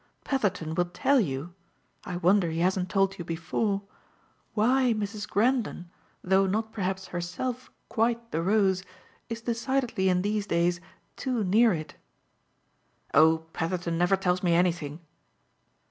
Petherton will tell you I wonder he hasn't told you before why Mrs. Grendon, though not perhaps herself quite the rose, is decidedly in these days too near it." "Oh Petherton never tells me anything!"